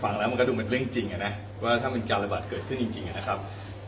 แล้วมันก็ดูเป็นเรื่องจริงนะว่าถ้ามีการระบาดเกิดขึ้นจริงนะครับ